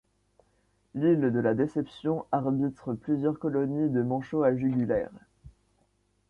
L'île de la Déception abrite plusieurs colonies de manchots à jugulaire.